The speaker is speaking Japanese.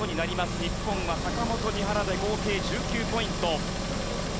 日本は坂本、三原で合計１９ポイント。